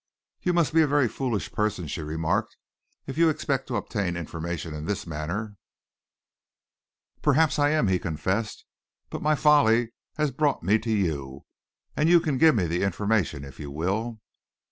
"You must be a very foolish person," she remarked, "if you expect to obtain information in this manner." "Perhaps I am," he confessed, "but my folly has brought me to you, and you can give me the information if you will."